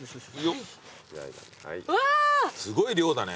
すごい量だね。